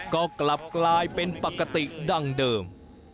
ก็กลับกลายเป็นปกติดั้งเดิม